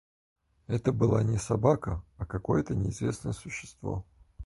Это была не собака, а какое-то неизвестное существо.